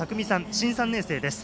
新３年生です。